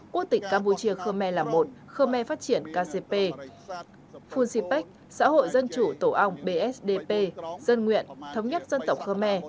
quốc tịch campuchia khờ mè là một khờ mè phát triển kcp funsipec xã hội dân chủ tổ ong bsdp dân nguyện thống nhất dân tộc khờ mè